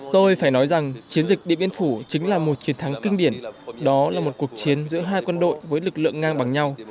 tôi phải nói rằng chiến dịch điện biên phủ chính là một chiến thắng kinh điển đó là một cuộc chiến giữa hai quân đội với lực lượng ngang bằng nhau